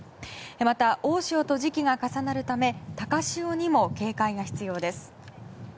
また、大潮と時期が重なるため高潮にも警戒が必要です。